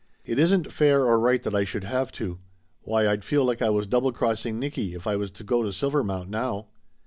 It isn't fair or right that I should have to. Why, I'd feel like I was double crossing Nicky if I was to go to Silvermount now."